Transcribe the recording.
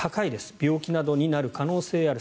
病気などになる可能性がある。